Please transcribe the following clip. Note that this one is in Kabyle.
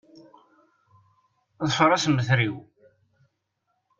Ḍfeṛ assemter-iw!